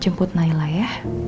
jemput naila ya